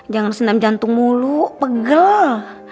jangan senam jantung mulu pegel